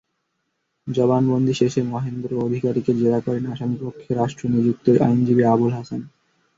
জবানবন্দি শেষে মহেন্দ্র অধিকারীকে জেরা করেন আসামিপক্ষে রাষ্ট্র নিযুক্ত আইনজীবী আবুল হাসান।